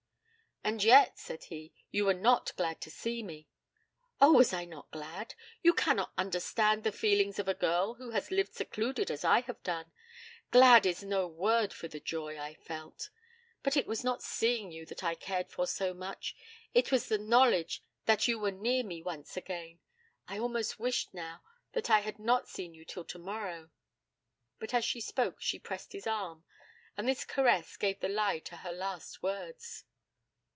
'And yet,' said he, 'you were not glad to see me!' 'Oh, was I not glad? You cannot understand the feelings of a girl who has lived secluded as I have done. Glad is no word for the joy I felt. But it was not seeing you that I cared for so much. It was the knowledge that you were near me once again. I almost wish now that I had not seen you till tomorrow.' But as she spoke she pressed his arm, and this caress gave the lie to her last words.